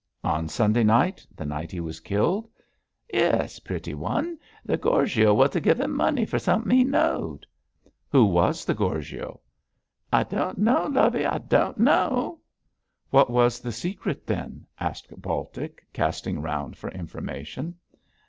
'On Sunday night the night he was killed?' 'Yes, pretty one. The Gorgio was to give him money for somethin' he knowed.' 'Who was the Gorgio?' 'I don' know, lovey! I don' know!' 'What was the secret, then?' asked Baltic, casting round for information.